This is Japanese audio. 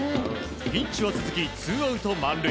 ピンチは続き、ツーアウト満塁。